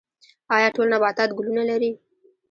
ایا ټول نباتات ګلونه لري؟